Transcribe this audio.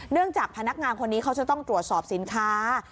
จากพนักงานคนนี้เขาจะต้องตรวจสอบสินค้า